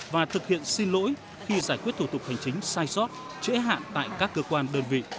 và thực hiện xin lỗi khi giải quyết thủ tục hành chính sai sót trễ hạn tại các cơ quan đơn vị